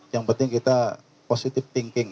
yang penting kita positive thinking